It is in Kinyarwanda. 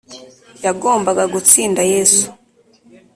Yagombaga gutsinda Yesu